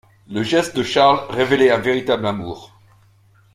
Le geste de Charles révélait un véritable amour.